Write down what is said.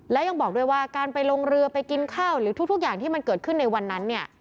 และยังบอกด้วยว่าการไปลงเรือไปกินข้าวหรือทุกอย่างที่มันเกิดขึ้นในวันนั้นเนี่ย